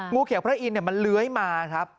งูเขียวพระอินทร์มันเลื้อยมาครับ